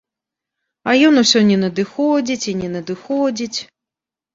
А ён усё не надыходзіць і не надыходзіць.